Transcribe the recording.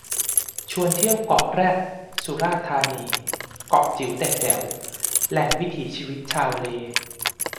ชวนเที่ยวเกาะแรต สุราษฎร์ธานี เกาะจิ๋วแต่แจ๋ว แหล่งวิถีชีวิตชาวเล